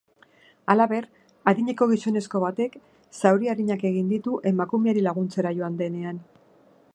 Halaber, adineko gizonezko batek zauri arinak egin ditu emakumeari laguntzera joan denean.